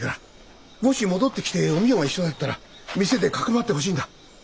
もし戻ってきてお美代が一緒だったら店でかくまってほしいんだ。